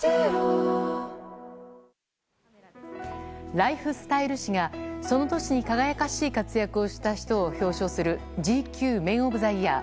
ライフスタイル誌が、その年に輝かしい活躍をした人を表彰するＧＱＭＥＮＯＦＴＨＥＹＥＡＲ。